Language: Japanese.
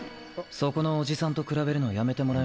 そこのおじさんと比べるのやめてもらえませんか。